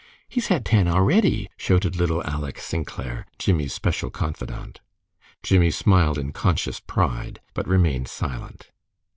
"He's had ten a'ready," shouted little Aleck Sinclair, Jimmie's special confidant. Jimmie smiled in conscious pride, but remained silent.